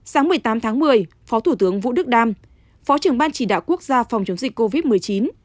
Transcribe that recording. sáng một mươi tám tháng một mươi phó thủ tướng vũ đức đam phó trưởng ban chỉ đạo quốc gia phòng chống dịch covid một mươi chín